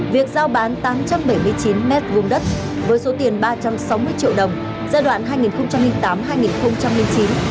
việc giao bán tám trăm bảy mươi chín m hai đất với số tiền ba trăm sáu mươi triệu đồng giai đoạn hai nghìn tám hai nghìn chín